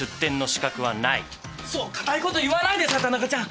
そう固いこと言わないでさ田中ちゃん。